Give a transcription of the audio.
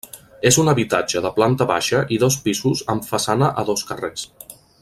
És un habitatge de planta baixa i dos pisos amb façana a dos carrers.